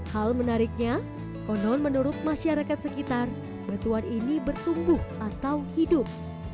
hal menariknya konon menurut masyarakat sekitar batuan ini bertumbuh atau hidup